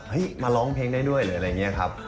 มาร้องเพลงได้ด้วยหรืออะไรอย่างนี้ครับ